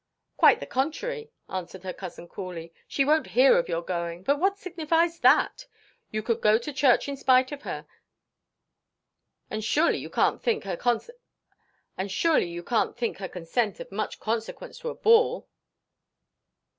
"Quite the contrary," answered her cousin coolly. "She won't hear of your going. But what signifies that? You could go to church in spite of her, and surely you can't think her consent of much consequence to a ball?"